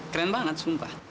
keren banget sumpah